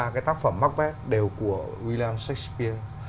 cái tác phẩm macbeth đều của william shakespeare